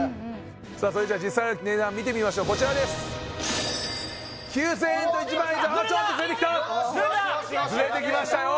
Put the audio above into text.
それじゃ実際の値段見てみましょうこちらです９０００円と１万ちょっとズレてきたよしよしズレてきましたよ